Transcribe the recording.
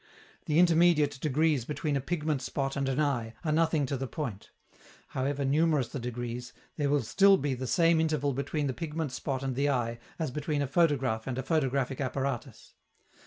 The intermediate degrees between a pigment spot and an eye are nothing to the point: however numerous the degrees, there will still be the same interval between the pigment spot and the eye as between a photograph and a photographic apparatus.